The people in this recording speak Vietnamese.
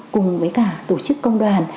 cùng với cả tổ chức công đoàn